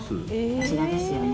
こちらですよね